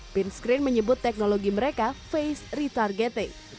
pinscreen menyebut teknologi mereka face retargeting